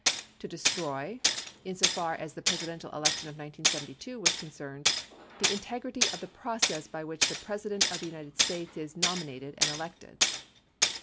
To destroy, insofar as the Presidential election of 1972 was con cerned, the integrity of the process by which the President of the United States is nominated and elected.